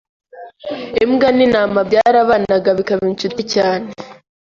Imbwa n'intama byarabanaga bikaba inshuti cyane